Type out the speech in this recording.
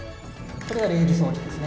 これが励磁装置ですね。